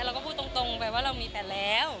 เราก็พูดตรงไปว่าเรามีแต่แล้ว